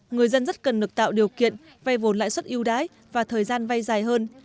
người dân rất cần được tạo điều kiện vay vốn lãi suất yêu đái và thời gian vay dài hơn